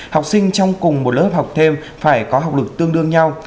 học sinh trong cùng một lớp học thêm phải có học lực tương đương nhau